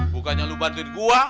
bukannya lo bantuin gue